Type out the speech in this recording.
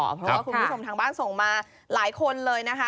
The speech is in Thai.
เพราะว่าคุณผู้ชมทางบ้านส่งมาหลายคนเลยนะคะ